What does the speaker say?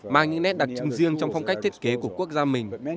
mang những nét đặc trưng riêng trong phong cách thiết kế của quốc gia mình